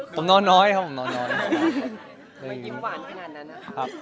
ผมนอนน้อยครับผมนอนน้อยครับ